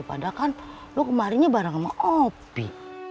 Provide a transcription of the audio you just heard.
padahal kan lo kemarinnya bareng sama opi